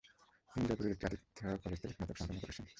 তিনি জয়পুরের একটি আতিথেয় কলেজ থেকে স্নাতক সম্পন্ন করেছেন।